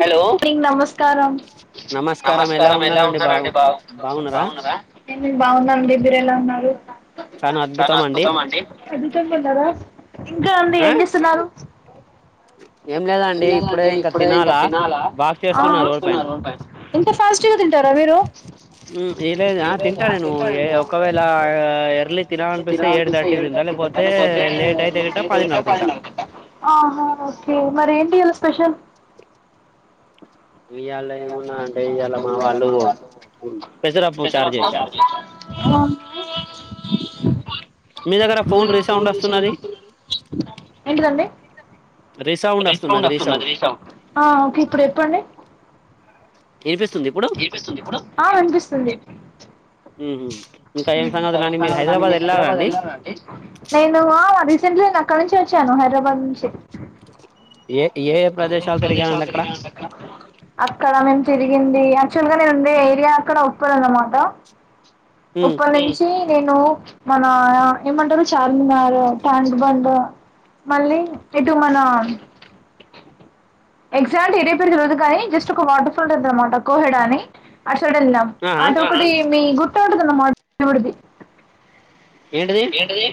Hello నమస్కారం నమస్కారం ఎలా ఉన్నారండి బా బాగున్నా న నేను బాగున్నాండి మీరు ఎలా ఉన్నారు చానా అద్భుతము అండి ఇంకా అండి ఏం చేస్తున్నారు ఏం లేదండి ఇప్పుడే ఇంకా తినాలా చే స్తున్నారు ఇంత ఫాస్ట్ గా తింట తరవిరు ఇల్లే నా తింటా నువ ఏ ఒకవెలా ఎర్లీ తినలీ అనిపిస్తే ఏడ్ తర్టీి తింటా పోతే లేట్ అయితే పది అన్నారకు తింటా ఆహా ఓకే మరి ఏంటి స్పెషల్ రు వాళ [unintelligible] ఎంటిదండి రీ సౌండ్ ఓస్తుందండి రీ సౌండ్ ఆ ఒకే ఇప్పుడు చెప్పండి ఇనిపిస్తుంది ఇప్పుడు ఆ వినిపిస్తుంది హయాత్ నగర గానీ మీరు హైదరాబాద్ ఎల్లారా అండి ఆ నేను రీస్ సెంట్లీ అక్కడ నుంచి వచ్చాను హైదరాబాద్ నుంచి ఏమేం ప్రదేశాలు తిరిగారండీ అక్కడ అక్కడ మేం తిరిగింది యాక్చువల్ గా నేను ఉండే ఏరియా అక్కడ ఉప్పల్ అన్నమాట ఉప్పల్ నుంచి నేను మన ఏమంటారు చార్మినార్ ట్యాంక్ బండ్ మళ్ళీ ఇటు మన ఎగ్జాక్ట్ ఏదే పేరు తెల్వదు గానీ జస్ట్ ఒక వాటర్ ఫాల్ ఉంటాదనమాట కోహెడా అని అటుసైడ్ ఎల్లినం అటోకటి మీ గుర్ కోట్ [unintelligible] ఏంటిది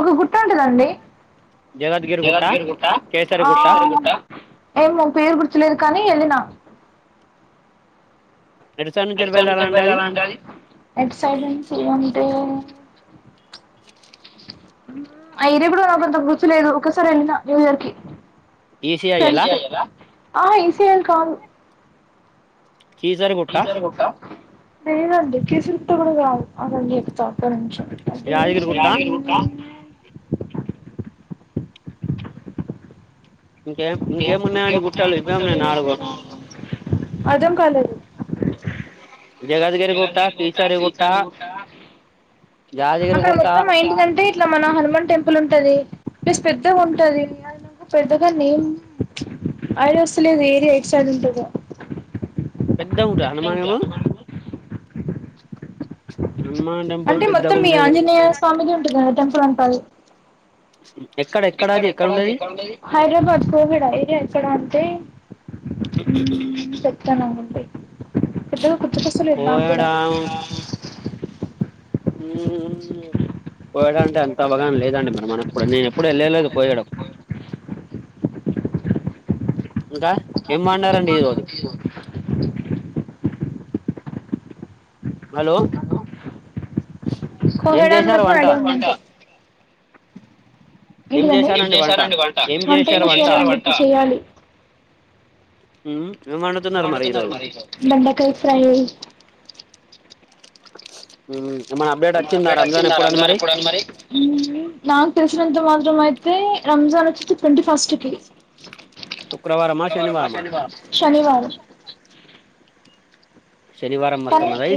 ఒక గుట్ట ఉంటుదండి జగదీరుగుట్ట ఆ కీసర గుట్ట ఎమ్మో పేరు గుర్తులేదు కానీ వెళ్ళిన ఎటు సైడ్ నుంచి వెళ్ళండి అది ఏటు సైడ్ నూన్ ట్రేన్ ఆ ఏరియా కూడా నాక్ అంత గుర్తులేదు ఒకసారి వెళ్ళిన న్యూ ఇయర్ కి ఈసీఐఎల్ ఆ ఆహా ఈసిల్ కాదు కీసరగుట్ట పేరు అంటే కీసరగుట్ట కూడా కాదు ఆగండి చెప్తా ఒక్క నిమ్షం యాదగిరిగుట్టా ఇంకేం ఇంకేమున్నాయి అండి గుట్టలు ఎక్కడ మీరు అర్థం కాలేదు జగద్గిరిగుట్ట కిసరిగుట్ట అక్కడ మొత్తాం ఏంటంటే ఇట్లా మన హనుమాన్ టెంప్ పుల్ ఉంటది ప్లస్ పెద్దగుంటది నాకు పెద్దగా నేమ్ ఐడియా ఓస్ స్థలేదు ఏరియా ఎట్సైడ్ ఉంటదో పెద్ద ఉంటదా హనుమానేమో అంటే మొత్తం ఈ ఆంజనేయ స్వామిదే ఉంటది ఆడ టెంపుల్ అంతా అది ఎక్కడ ఎక్కడా అది ఎక్కడుంటది హైదరాబాద్ కొహెడా ఏరియా ఎక్కడ అంటే చెప్తన్నా ఉండు పెద్దగా గుర్తుకొస్తాలేదు నాక్ కూడా కొహెడా హ్మ్హ్మ్ హ్మ్ కోహెడ అం టె అంత అవగాన లేదండి మరి మనకు కూడా నేను ఎప్పుడూ వెళ్ళలేదు కొహెడకు ఇంకా ఏమన్నారండి ఈ రోజు హలో కోహెడ మధ్య [unintelligible] ఏంటి దండి వంట ఇంకా చేయలేదు చేయాలి ఏం వండుతున్నారు మరి ఈరోజు బెండకాయి ఫ్రై ఉ ఏమన్నా అప్డేట్ ఓచ్చిందా రంజాన్ ఎప్పుడని మరి నాకు తెలిసినంత మాత్రంమైయితే రంజాన్ వచ్చితే ట్వంటీ ఫస్ట్ కీ సోమవారమ శనివారం శనివారం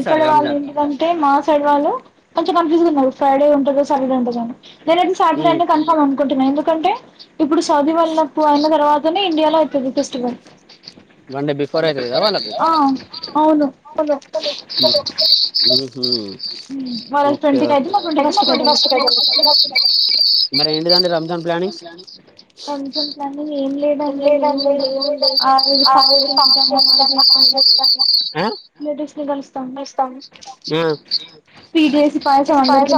ఇక్కడ వాళ్ళు ఇంటిదంటే మా సైడ్ వాళ్ళు కొంచం కన్ఫ్యూస్ గున్నారు ఫ్రైడే ఉంటందో సాటర్డే ఉంటదో అని నేనైతే సాటర్డే అని కన్ఫర్మ్ అకుంటన్నా ఎందుక్ కంటే ఇప్పుడు సౌదీ వళ్లకు అయిన తర్వాతనే ఇండియాలో అవుతది ఫెస్టివల్ ఆ అవును అవును ఉహు ఓకే ఓకే మరి ఎంతిదండీ రంజాన్ ప్లాన్ [unintelligible] ఏం లేదండి ఏమి లేదు [inaudible] లేటస్ ని కలుస్తాం స్వీటేసి పాయసం అందరికి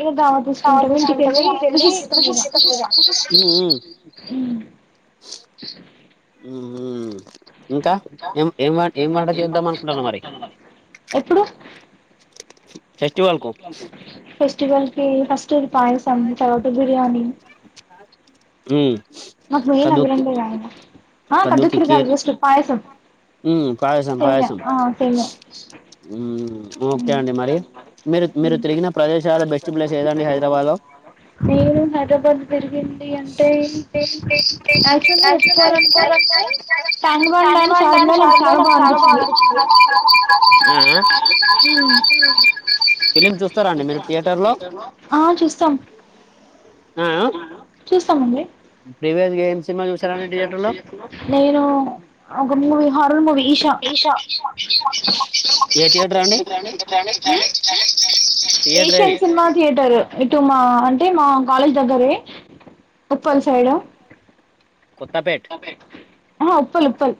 ఇక దావాత్ చూసుకుంటాం ఇంటికెళ్ళి [inaudible] మ్మ్ మ్మ్ మ్మ్ మ్మ్ ఇంకా ఏం ఏం ఏం వంట చేద్దాం అనుకుంటన్నావ్ మరి ఎప్పుడు ఫెస్టివల్ కి ఫస్ట్ పాయసం తర్వాత బిర్యానీ మ్మ్ మాకు ఏ పండుగ లేకపాయ ఆ పద్దన చిత్రాన్నం చేసుకున్న పాయసం పెళ్లక్క పెళ్లి నేను హైదరాబాద్ తిరిగింది అంటే యాక్చ్చ్వల్లి చెప్పాలంటే ట్యాంక్ బండ్ అండ్ చార్మినార్ చార్మినార్ [inaudible] ఫిలిమ్ చూస్తారాండి మీరు థియేటర్లో మ్మ్ చూస్తామండి నేను ఒక movie horror movie Isha [inaudible] Isha సినిమా థియేటర్ ఇటు మా అంటే మా కాలేజ్ దగ్గరే ఉప్పల్ సైడ్ ఉప్పల్ ఉప్పల్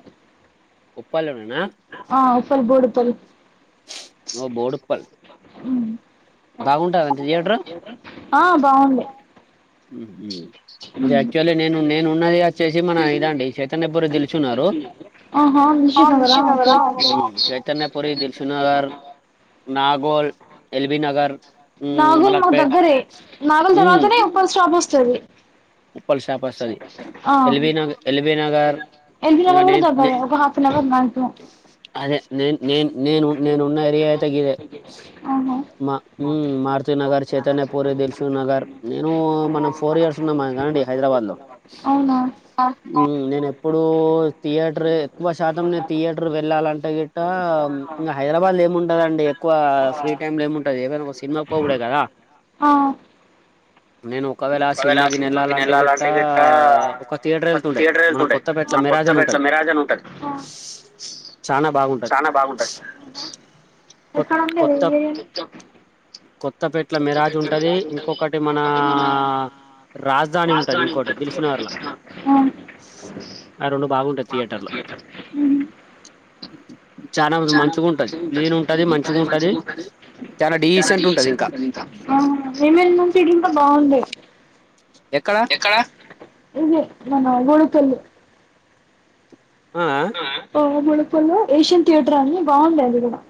ఉప్పల్లో వాసన కొడుతుంది ఆ బాగుంది మ్మ్ ఇది యాక్చువల్లీ నేను నేను ఉన్నది వచ్చేసి మన ఇదండి చైతన్ ఎబరు తెలుచున్నారు చైతన్య పురి దిల్సుక్ నగర్ నాగోల్ ఎల్బీ నగర్ నాగులు మాకు దగ్గరే నాగులు తర్వాతనే ఉప్పల్ స్టాప్ వస్తది ఆ ఎల్బీనగర్ నగర్ కూడ దగ్గరే ఒక హాఫనవర్ అంతే అదే నే నేను నేను నేను ఉన్న ఏరియా ఐతే గిదే మా మారుతి నగర్, చైతన్యపురి, దిల్సుక్ నగర్ నేను మనం ఫోర్ ఇయర్స్ ఉన్నాం మా అండి హైదరాబాద్ లో నేను ఎప్పుడుూ థియేటర్ ఎక్కువ శాతం నేను థియేటర్ వెళ్ళాలంటే ఇటు ఇంకా హైదరాబాద్ లో ఏముంటదండి ఎక్కువ ఫ్రీ టైమ్ లో ఏముంటది ఏమైనా ఒక సినిమా పొగుడే కదా నేను ఒకవేళ ఆ సినిమాకు నే సినిమాకి [unintelligible] ఒక థియేటర్ వెళ్తుంటాయి మన కొత్త పెట్ల మిరాజ్ అని ఉంటది చానా బాగుంటాయి ఎక్కడ ఉండేది ఏరియా కొత్త పెట్లొ మెరాజ్ ఉంటది, ఇంకొకటి మన రాజధాని ఉంటది ఇంకోటి దిల్సు నగర్ లో ఆ రెండు బాగుంటాయి థియేటర్లు చాలా మంచిగా ఉంటది క్లీన్ ఉంటది మంచిగా ఉంటది చాలా మేము వెళ్ళాం ఇంకా బాగుంది ఎక్కడ దిల్సుక్ నగర్ లో అక్కన్నే [unintelligible] ఏషియన్ థియేటర్ అని బాగుండే అది కూడా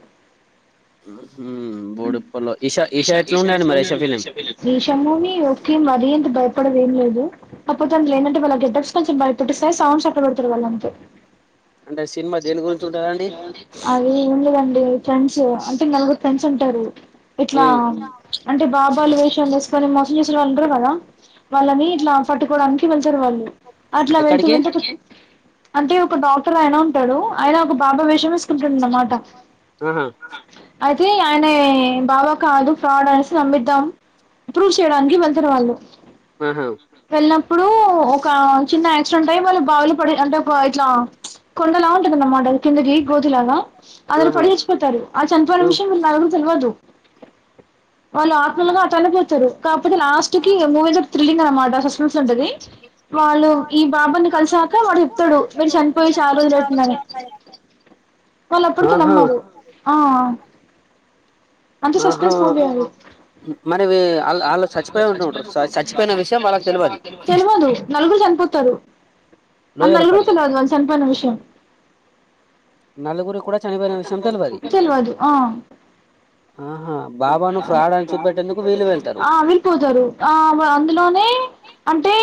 మ్మ్ హ్మ్ ఇషా మూవి ఒకే మరి అంతా బా య ఏం లేదు కపోతే అందులో ఏంటంటే వాళ్ళ గెటప్స్ కొంచెం భయ పుట్టిస్తాయి సౌండ్స్ అక్కడ పేడతారు వాళ్ళంతే అది ఏమ్ లేదండి ఫ్రెండ్స్ అంటే నలుగురు ఫ్రెండ్స్ అంటారు ఇట్లా అంటే బాబాలు వేషాలు చే వాళ్లని మోసం చేసిన వాళ్ళు ఉంటారు కదా వాళ్ళని ఇట్లా పట్టుకోవడానికి వెళ్తారు వాళ్ళు అట్లా వెళ్తూ వెళ్తూ అంటే ఒక డాక్టర్ అయినా ఉంటాడు ఆయన ఒక బాబా వేషం వేసుకుంటుడు అనమాట ఆయన బాబా కాదు ఫ్రాడ్ అనేసి నమ్మిద్దాం ప్రూఫ్ చేయడానికి వెళ్తరు వాళ్ళు వెళ్ళినప్పుడు ఒక చిన్న యాక్సిడెంట్ అయ్యి వాళ్ళ బావిలు పడి అంటే ఒక ఇట్లా కొండలా ఉంటుందన్నమాట అది కిందకి గోతిలాగా అందరు పడి చచ్చిపోతారు ఆ చనిపోడ ల్లా తెలువదు వాళ్ళు ఆత్మలుగా తల్లిపోతారు కాపోతే లాస్ట్ కి మూవీతో థ్రిల్లింగ్ అనమాట సస్పెన్స్ ఉంటది వాళ్ళు ఈ బాబాని కలిసాక వాడు చెప్తాడు మీరు చనిపోయి చాలా రోజులు అతుందని వాళ్ళ అప్పటికి నమ్మారు ఆ అంత సస్పెన్స్ మూవి అది తెలువదు చనిపోతారు అ నలుగురు తెలిదు వాళ్ళకి చనిపోయిన విషయం తెలవదు ఆ ఆహా ఆ వెళ్ళిపోతారు ఆ అందులోనే అంటే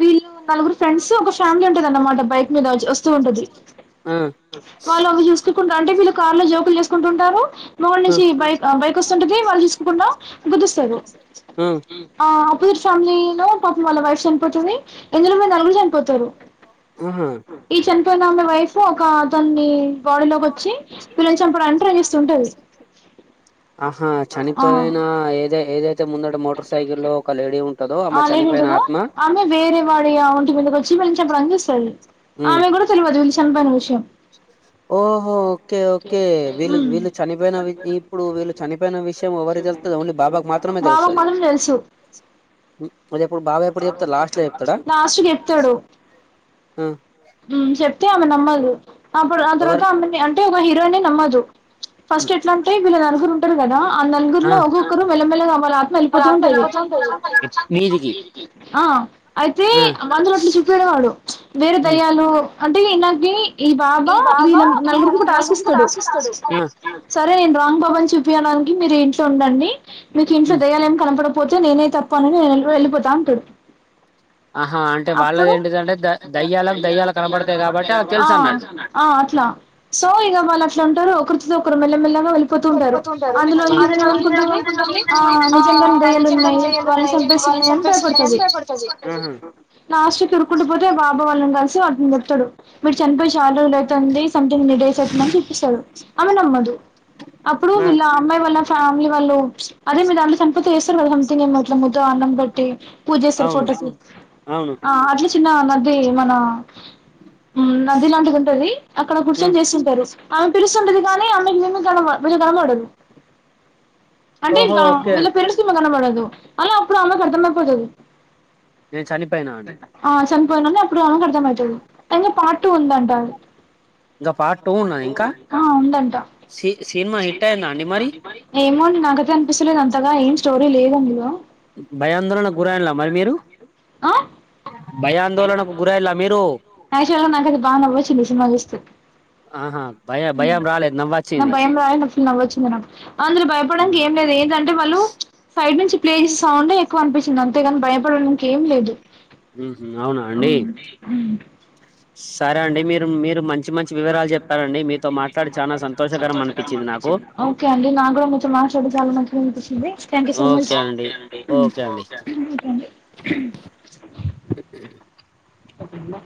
వీళ్ళు నలుగురు ఫ్రెండ్స్ ఒక ఫ్యామిలీ ఉంటదిన్నమాట బైక్ మీద వస్త ఉంటది వాళ్ళు అవి చూసుకుకుంటారు అంటే వీళ్ళు కార్ లో జోకులు చేసుకుంటుంటారు ముందు నుంచి బైక్ బైక్ వస్తుంటది వాళ్ళు చూసుకుంటా గుద్దేస్తారు ఆ పూర్ ఫ్యామిలీలో పాపం వాళ్ళ వైఫ్ చనిపోతది ఇందులో వీళ్ళు నలుగురు చనిపోతారు ఈ చనిపోయినమ వైఫ్ ఒకతన్ని బాడీలోకి వచ్చి వీళ్ళని చంపడానికి ట్రై చేస్తుంటది ఆ చనిపోయిన ఏద ఏదైతే ముందంటే మోటార్ సైకిల్ల్లో ఒక లేడీ ఉ ఆ లేడి ఉంటదొ ఆమె వేరే వాడి ఒంటి మీదకి వచ్చి వీళ్ళని చంపడానికి చూస్తది. ఆమెకి కూడా తెలివది వీళ్లు చనిపోయిన విషయం ఉం బాబా కి మాత్రం తెలుసు లాస్ట్ కి చెప్తాడు ఉమ్ చెప్తే ఆమె నమ్మదు అప్పుడు ఆ తర్వాత ఆమెని అంటే ఒక హీరోయినే నమ్మదు ఫస్ట్ ఎట్లా అంటే వీళ్ళు నలుగురు ఉంటారు కదా ఆ నలుగురిలో ఒక్కొక్కరు మెలమెల్లగా వాళ్ల ఆత్మ వెళ్ళిపోతూ ఉంటది ఆ అయితే అ వాళ్లతో అట్ల చెప్పే వాడు వేరే దయ్యాలు అంటే ఇనాకి ఈ బాబా వీళ్ళ నలుగురికొకటి ఆశిస్తడు సరే రాంగ్ బాబ ని చూపించడానికి మీరు ఇంట్లో ఉండండి మీకు ఇంట్లో దయ్యాలు ఏం కనపడవ్ పోతే నేనే తప్పనని వెళ్ళిపోతా అంటాడు అప్పుడు ఆ ఆ అట్లా సో ఇక వాళ్ళు అట్లా ఉంటారు ఒక తర్వాత ఒకరు మెల్లమెల్లగా వెళ్ళిపోతూ ఉంటారు అందులో హీరోయిన్ ఏం అనుకుంటుంది ఆ నిజంగానే దయ్యాలు ఉన్నాయి వాళ్ళని చంపేస్తున్నాయి అని భయపడుతు లాస్టుకి ఉరుకుంటూ బోతే వా బాబా వాళ్ళని కలిసి వాటిని చెప్తడు మీరు చనిపోయి చాలు అయితేంది సంథింగ్ ఇన్ని డేస్ అయితుందని చూపిస్తాడు ఆమె నమ్మదు అప్పుడు వీల్ వాళ్ళ ఫ్యామిలీ వాళ్ళు అదే మీద చేస్తారు సథింగ్ ఏమో ముద్ద అన్నం పెట్టి పూజ జేస్తరు ఫోటో కి అది చిన్న నదే మన నది లాంటిది ఉంటది అక్కడ కూర్చొని చేస్తుంటారు ఆమె పిలుస్ స్తుంటది గాని ఆమెకి మెము వీళ్ళు గనబడరు అంటే ఇంకా వీళ్ళ పేరెంట్సు కనబడదు అలా అప్పుడు ఆమెకి అర్థంమైపోతది నేను చనిపోయినా అని పోంగనే అప్పుడు ఆమెకి అర్థమైతది అయినా పాట్టు ఉంది అంట ఆ ఉందంట ఏమో నాకైతే అనిపిస్తలేదు అంతగా ఏం స్టోరీ లేదు అందులో భయాందోళనకు గురియ్యలా మీరు ఆచేవల్గా నాకైతె బాగ నవ్వొచ్చింది ఈ సినిమా జూస్తే ఆహా భయం భయం రాలేదు నవ్వచ్చింది నవ్వొచ్చింది నాకు అందులో భయపడానికి ఏం లేదు ఏంటంటే వాళ్ళు సైడ్ నుంచి ప్లేజె సౌండ్ ఎక్కువ అనిపించింది అంతేగాని భయపడడానికి ఏం లేదు అవునా అండి సరే అండి మీరు మీరు మం ఓకే అండి నా గూడ మీతో మా షేపు చాల మంచిగనిపిచ్చింది థ్యాంక్ సో మచ్ ఓకే అండి ఓకే అండి [unintelligible] అయిపోయేందా